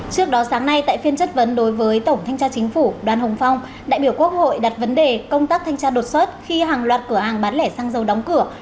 trước đó sáng nay tại phiên chất vấn đối với tổng thanh tra chính phủ đoàn hồng phong đại biểu quốc hội đặt vấn đề công tác thanh tra đột xuất khi hàng loạt cửa hàng bán lẻ xăng dầu đóng cửa